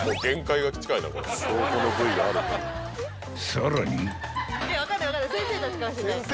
［さらに］